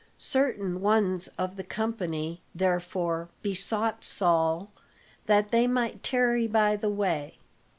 Certain ones of the company therefore besought Saul that they might tarry by the way.